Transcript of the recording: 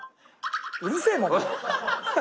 うるせえもんな。